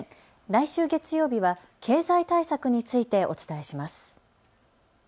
来週、月曜日は経済対策についてお伝えします。